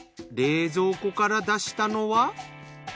冷蔵庫から出したのは。